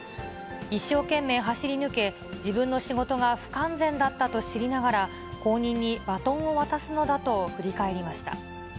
一生懸命走り抜け、自分の仕事が不完全だったと知りながら、後任にバトンを渡すのだと振り返りました。